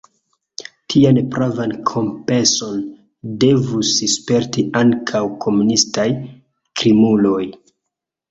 Tian pravan kompenson devus sperti ankaŭ komunistaj krimuloj.